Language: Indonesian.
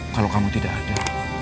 kalau kamu tidak ada